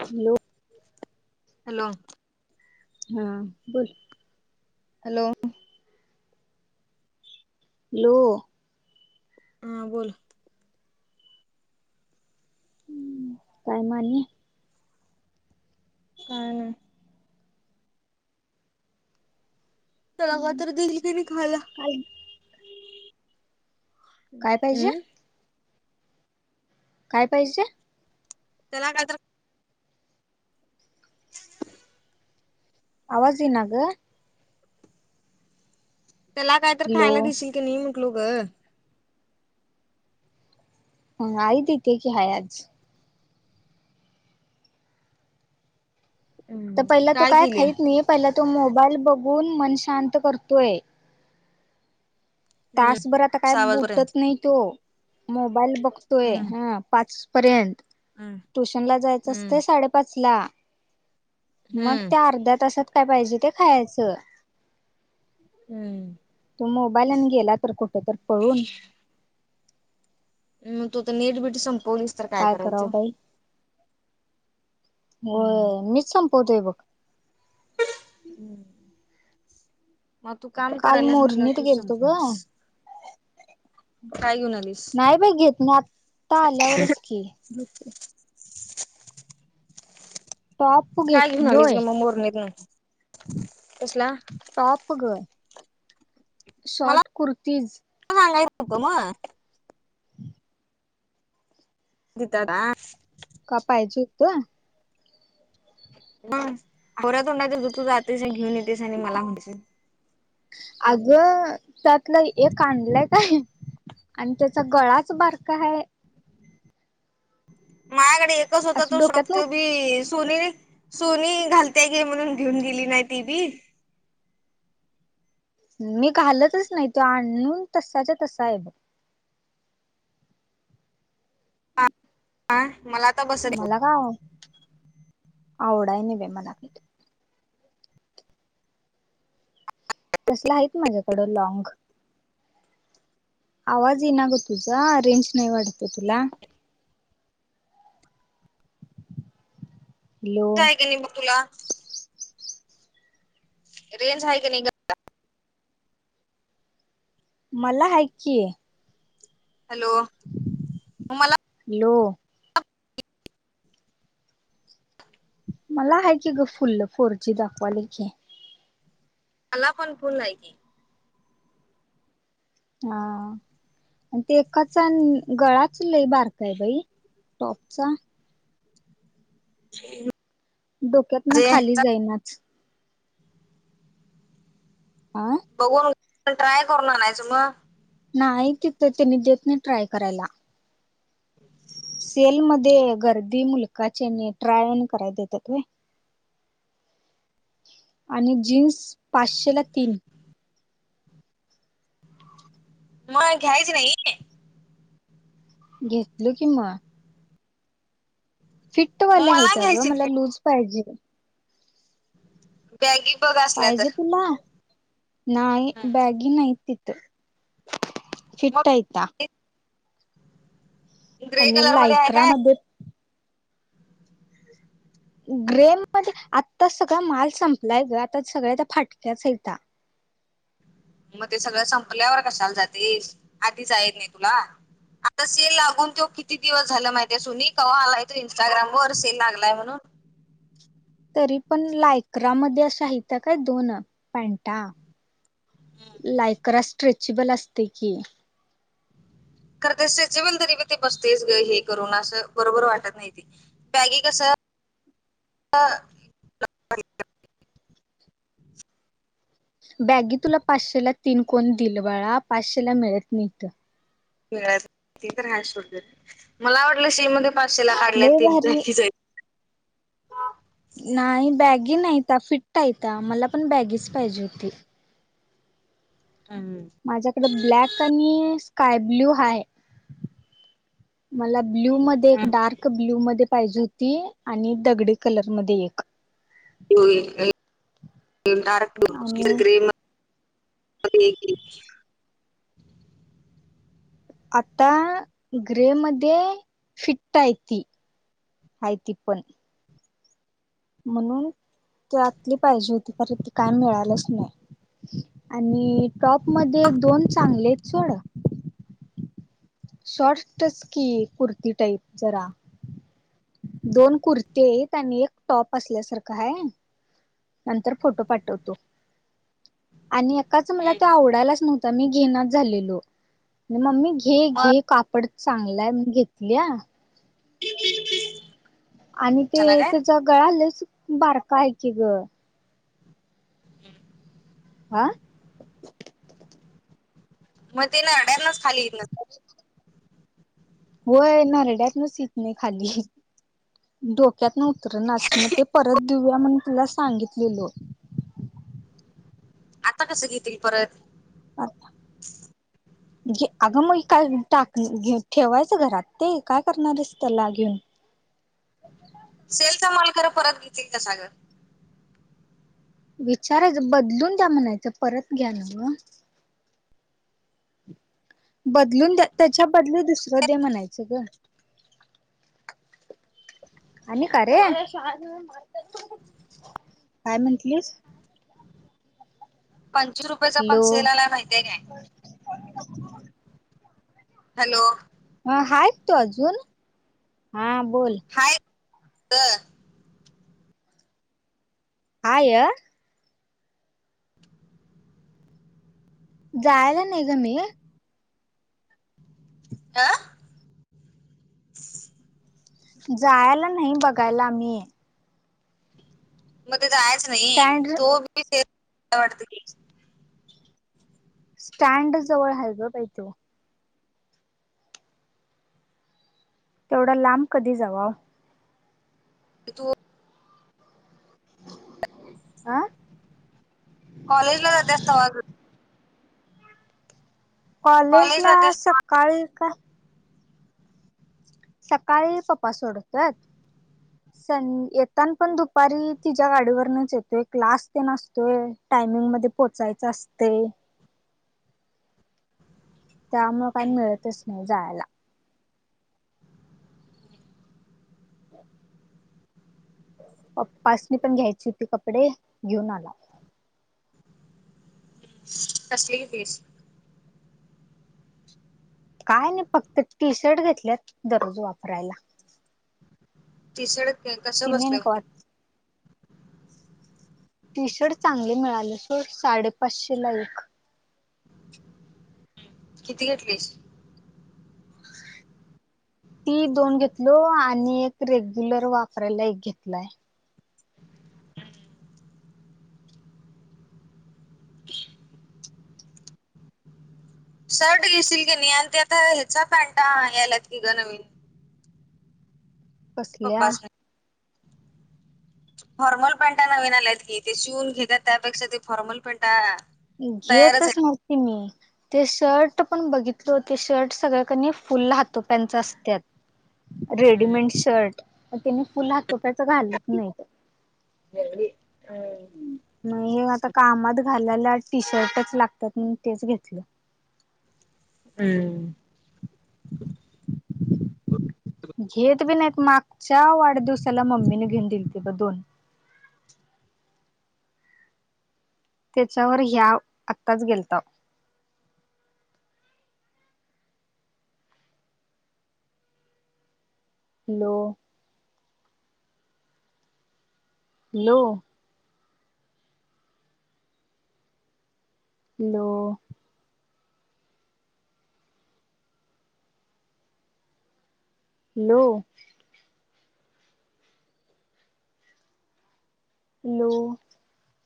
Hello hello हा बोलोल. Hello लो हा बोल हम्म काय मानी हा ना तलाग तर देईल क नाही खायला. काय पाहिजे हम् काय पाहिजे. चलाग आवाजी नाग. त्याला काय तर हॅलो खायला दिसील की नाही म्हटलो ग. आहे तीेत की हायच. तर पहिला तो काय खाहीत नाही पहिला तो मोबाईल बघून मन शांत करतोय. तासभर आता काय सहा उठत वाजपर्यंत नाही तो मोबाईल बघतोय हम्म हं पाच पर्यंत हम्म ट्युशन ला जायचं असतं साडेपाच ला. मग हम्म त्या अर्ध्या तासात काय पाहिजे ते खायचं. हम्म तू मोबाईल आणि गेला तर कुठे तर पळून. मग तू तर नेट बिटी संपवलीस तर काय करायल करावं तू बाई होय मीच संपतोय बघ. हम् मग तू काम काल करल्यास म्हटलं मोरणीत तूच गेलतो ग समजल्यास. काय घेऊन आली. नाही बाई घेत नाही आता आल्यावरच की पाप काय घेऊन आलीस ग मग मोरणी गेवुन कसला टॉप ग शॉट कुर्तीज हा लेच हुत मग भिताडासं का पाहिजे होत खोट्या तोंडाचे तुज तू जातेस आणि घेऊन येतेस आणि मला म्हणतीस होय अगं त्यातलं एक आणलंय काय आणि त्याचा गळाच बारका हाये माझ्याकडे एकच होता असं तो डोक्यात शॉर्ट न त्यो बी सोनी घातल्या घे म्हणून घेऊन गेली नाही ते बी मी घालतच नाही तो आणून तसाचा तसा आहे बघ ह मला आता बस मला काय आवडाय नाही मला तसला आहे माझ्याकडं लँग आवाज येईना ग तुझा रेंज नाही वाढत तुला हॅलो काय ग ने तुला रेंज आहे की नाही ग मला हाय की हॅलो मला हॅलो टॅप मला आहे की ग फुल्ल फोरजी दाखवाले की मला पण फुल्ल आहेय की हा ते एकाचा गळाच लय बरका आहे बाई टॉपचा ह डोक्यातन खाली जाईनात आ बघून ट्राय करून आणायच मग नाही तिथ त्यांनी देत नाही ट्राय करायला सेल मध्ये गर्दी मुलकाची आणि ट्राय आणि करायला देतात रे आणि जीन्स पाचशे ला तीन मग घ्यायचं नायने घेतलो कि म मग फिटवाल्या मला आहेता ग घ्यायची मला लूज पाहिजे बॅगी बघा असल्या पाहिजे तर तुला नाही बॅगि नाहीत तीत मग फिट ऐता ग्रे आणि कलर मध्ये आहे काय लायक्रामध्ये ग्रे मध्ये आत्ता सगळा माल संपलाय. ग आता सगळ्या त्या फाटक्याच एता मग ते सगळं संपल्यावर कशाला जातेस. आधीच आहेत. नाही. तुला आता सेल लागून तो किती दिवस झाला माहितीे सुनी कावा आलाय तो इंस्टाग्राम वर सेल लागलाय म्हणून तरी पण लायकरामध्ये अश्या हायता काय दोन पॅनटा लायकरा स्ट्रेचेबल असत की खर ते स्ट्रेचिबल तरी बी ते बसतयच ग हे करून असं बरोबर वाटत नाय ती बॅगे. कस बॅगी तुला पाचशे ला तीन कोण दिल. बाळा पाचशे ला मिळत नाहीत. तर ह शो मला आवटलं. शे मध्ये पाचशे ला हडल्या लय तीन. भारी नाही बॅगी नाही का फिट आहे. का मला पण बॅगीच पाहिजे होती. हम. हम माझ्याकडे ब्लॅक आणि स्काय ब्ल्यू हा आहे. मला ब्ल्यू मध्ये. एक डार्क ब्ल्यू मध्ये पाहिजे. होती. आणि दगडे कलरमध्येध्ये एक डार्क. ब्ल आणि गे आता ग्रे मध्ये फिट्ट आहे. तती आयती. इ पण म्हणून ते आतली पाहिजे. होती पर ते काय मिळालंच. नाही. आणि टॉप मध्ये दोन चांगले. सोड शॉर्टस की कुर्ती. टाईप जरा दोन कुर्ती आहेत. आणि एक टॉप. असल्यासारखा ह नंतर फोटो पाठवतो. आणि एकाच मला ते आवडायलाच. नव्हत. मी घे झालो. मममी घे. घे कापड चांगलाय. मी घेतली. हम्म [unintelligible] आणि ते त्याचा. गळा बारका आहे. की हमं आह मग ते न अड्या्यांनाच खालीेत. [inaudible] होय नारड्यात नस यित नाही. खाली डोक्यात नव्हत. नाच मग ते परत देऊया म्हण. तुला सांगितलेलो. आता कस. घेतील परत [inaudible] [inaudible] जे अगं मग काय टाक ठेवायचं. घरात ते काय करणारस त्याला घेऊन. सेलचा माल खरं परत घेतील. त्या सागं विचारायचं बदलून द्या म्हणायचं. परत घ्या. न ग बदलून द त्याच्या बदल दुसरं. दे म्हणायचं. ग आणि का रे काय म्हंटलीस. पाच रुपये. हॅ लो हॅलो ह. हा. तू. अजून हा बोल हाय हय जायला नाही ग मी हा [inaudible] जायला नाही बघायला आम्ही मग जायचं नाही स्टँड तो मी ते वाटत की स्टँड जवळ आहे. ग बा तू तेवढा लांब कधी जाव. हो. आं कॉलेजला. कॉलेज. ला कॉलेजला सकाळी का सकाळी. पप्पा सोडतात. स येताना पण दुपारी तिच्या् गाडीवरनच येतोय. क्लास ते नसतोय. टायमिंगमध्ये पोहोचायच असते त्यामुळं काय मिळतच नाही जायला पप्पासनी पण घ्यायचे होते कपडे घेऊन आला कसले घेतलेस काय नाही फक्त टी शर्ट घेतल्यात दररोज वापरायला ति सड कस तिने न बसल्याय का हो टी शर्ट चांगले मिळाले सोड साडेपाचशे ला एक किती घेतली ती दोन घेतलो आणि एक रेग्युलर वापरायला एक घेतलाय शर्ट घेशील की नाही आणि ते आता ह्याचा पॅन्टा आनायला लागतील ग नवीन कसल्या पप्पास फॉर्मल पॅन्टा नविन आल्यात की ते शिवून घेतात त्यापेक्षा ते फॉर्मल पॅन्टा तयारच घेतच आहे नव्हतेच मी ते शर्ट पण बघितल ते शर्ट सगळ्याकनी फुल हातोप्यांच असत रेडीमेड शर्ट त्याने फुल हातोप्याच घालत नाही ह मग हे आता कामात घालायला टी शर्टच लागतात म तेच घेतलं हम् [inaudible] घेत बी नाही मागच्या वाढदिवसाला मम्मीने घेऊन दिली ते ब दोन त्याच्यावर ह्या आत्ताच गेलता hello hello hello hello hello